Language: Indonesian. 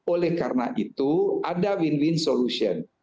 oleh karena itu ada win win solution